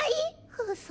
うそ。